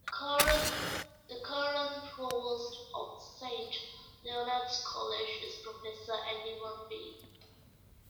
The current Provost of Saint Leonard's College is Professor Andy Murphy.